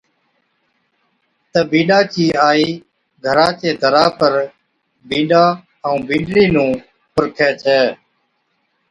تہ بِينڏا چِي آئِي گھرا چي درا پر بِينڏا ائُون بِينڏڙِي نُون پُرکي ڇَي،